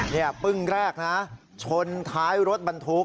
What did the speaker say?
นี่ปึ้งแรกนะชนท้ายรถบรรทุก